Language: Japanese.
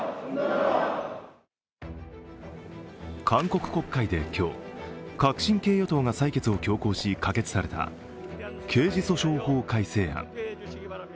韓国国会で今日、革新系与党が採決を強行し可決された刑事訴訟法改正案。